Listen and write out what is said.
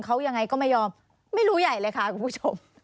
เขายังไงก็ไม่ยอมไม่รู้ใหญ่เลยค่ะคุณผู้ชม